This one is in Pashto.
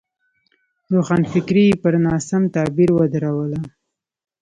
روښانفکري یې پر ناسم تعبیر ودروله.